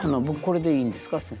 僕これでいいんですか？